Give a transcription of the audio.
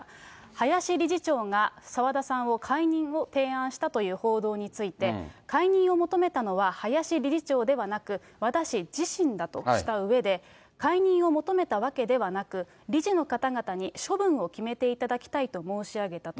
林理事長が澤田さんの解任を提案したという報道について、解任を求めたのは林理事長ではなく、私自身だとしたうえで、解任を求めたわけではなく、理事の方々に処分を決めていただきたいと申し上げたと。